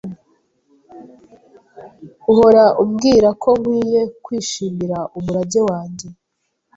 Uhora umbwira ko nkwiye kwishimira umurage wanjye.